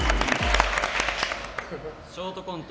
ショートコント